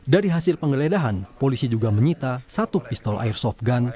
dari hasil penggeledahan polisi juga menyita satu pistol airsoft gun